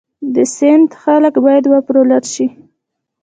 د سند خلک باید وپارول شي.